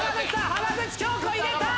浜口京子入れた！